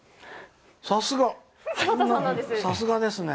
さすが！